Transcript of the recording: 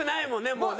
もうね。